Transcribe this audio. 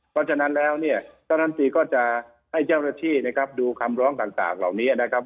เพราะฉะนั้นแล้วท่านท่านทีก็จะให้เจ้ารักษีดูคำร้องต่างเหล่านี้นะครับ